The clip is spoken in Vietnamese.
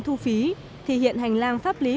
thu phí thì hiện hành lang pháp lý